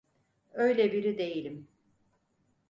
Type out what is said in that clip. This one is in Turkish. Öyle biri değilim.